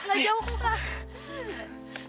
gak jauh aku kak